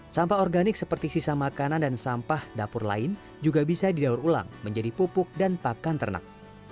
sampah organik seperti sisa makanan dan sampah dapur lain juga bisa didaur ulang menjadi pupuk dan pakan ternak